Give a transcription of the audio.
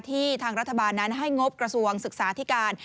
ทางรัฐบาลนั้นให้งบกระทรวงศึกษาธิการ